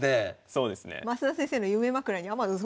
そうですね。